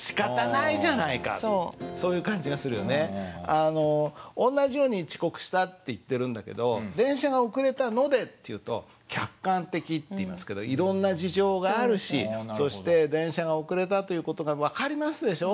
あの同じように遅刻したって言ってるんだけど「電車が遅れたので」って言うと客観的っていいますけど「いろんな事情があるしそして電車が遅れたという事が分かりますでしょう。